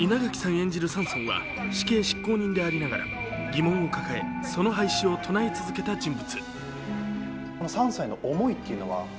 演じるサンソンは死刑執行人でありながら、その廃止を唱え続けた人物。